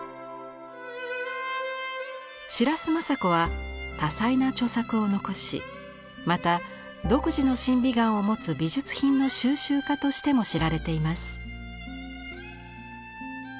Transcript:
白洲正子は多彩な著作を残しまた独自の審美眼を持つ美術品の収集家としても知られています。